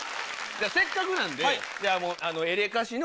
せっかくなんでじゃあエレカシの。